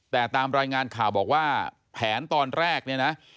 แต่ตามรายงานข่าวบอกว่าแผนตอนแรกเนี่ยนะ